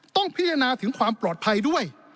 ต้องพิจารณาถึงความปลอดภัยด้วย